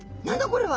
これは！